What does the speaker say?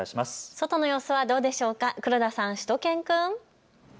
外の様子はどうでしょうか、黒田さん、しゅと犬くん。